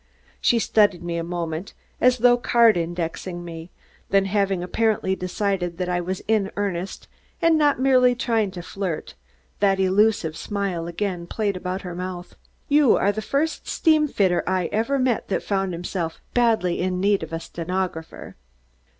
She studied me a moment, as though card indexing me, then having apparently decided that I was in earnest and not merely trying to flirt, that elusive smile again played about her mouth. "You are the first steamfitter I ever met that found himself badly in need of a stenographer."